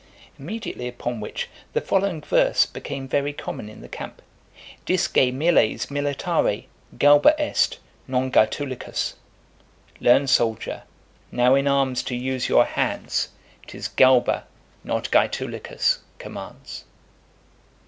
Immediately upon which, the following verse became very common in the camp: Disce, miles, militare: Galba est, non Gaetulicus. Learn, soldier, now in arms to use your hands, 'Tis Galba, not Gaetulicus, commands.